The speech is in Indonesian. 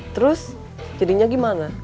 terus jadinya gimana